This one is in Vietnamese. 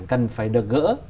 cần phải được gỡ